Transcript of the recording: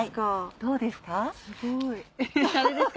どうですか？